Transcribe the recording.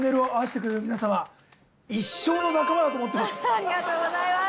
ありがとうございます。